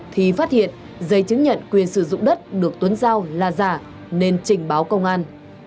thì phát hiện giấy chứng nhận quyền sử dụng đất được tuấn giao là giả nên trình báo công an